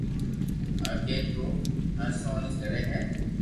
اگي تو پآݾونئي گھڙي ھي